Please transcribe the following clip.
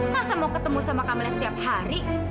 masa mau ketemu sama kameles setiap hari